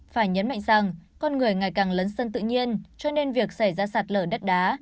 phải nhấn mạnh rằng con người ngày càng lấn sân tự nhiên cho nên việc xảy ra sạt lở đất đá